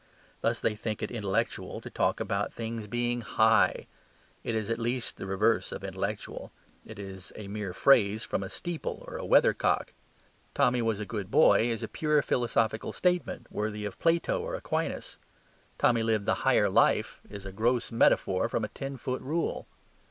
Thus they think it intellectual to talk about things being "high." It is at least the reverse of intellectual; it is a mere phrase from a steeple or a weathercock. "Tommy was a good boy" is a pure philosophical statement, worthy of Plato or Aquinas. "Tommy lived the higher life" is a gross metaphor from a ten foot rule.